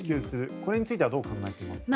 これについてはどう考えていますか？